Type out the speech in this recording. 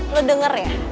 lo denger ya